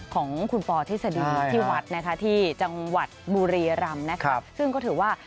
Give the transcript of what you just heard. ของคุณปอร์ธิษฎีที่วัดที่จังหวัดบูรีรมซึ่งก็ถือว่า